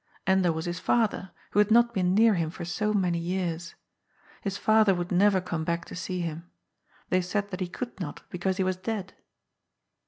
And there was his father, who had not been near him for so many years. His father would never come back to see him. They said that he could not, because he was dead.